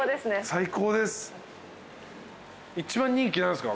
最高です。